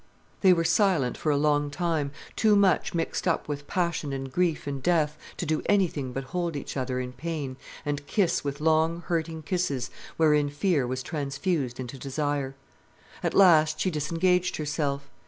They were silent for a long time, too much mixed up with passion and grief and death to do anything but hold each other in pain and kiss with long, hurting kisses wherein fear was transfused into desire. At last she disengaged herself.